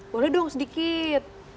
boleh dong sedikit